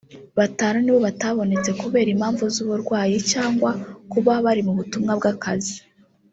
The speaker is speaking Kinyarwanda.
batanu nibo batabonetse kubera impamvu z’uburwayi cyangwa kuba bari mu butumwa bw’akazi